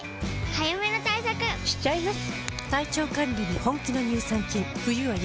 早めの対策しちゃいます。